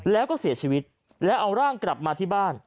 แล้วก็เสียชีวิตแล้วเอาร่างกลับมาที่บ้าน